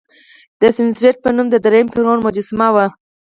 د سینوسریت په نوم د دریم فرعون مجسمه وه.